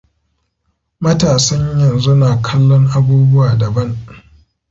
Matasan yanzu na kallon abubuwa da ban.